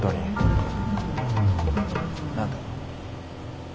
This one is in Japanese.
何だ？